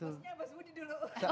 harusnya mas budi dulu